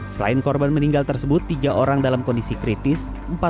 selain korban meninggal tersebut tiga orang dalam kondisi kritis